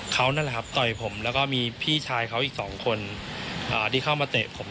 เขานั่นแหละครับต่อยผมแล้วก็มีพี่ชายเขาอีก๒คนที่เข้ามาเตะผม